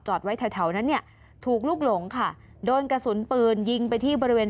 ไว้แถวแถวนั้นเนี่ยถูกลูกหลงค่ะโดนกระสุนปืนยิงไปที่บริเวณ